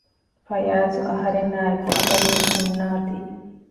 ފަޔާޒު އަހަރެންނާއި އެކު އަބަދުވެސް ހުންނާތީ